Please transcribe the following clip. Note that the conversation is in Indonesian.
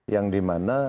yang di mana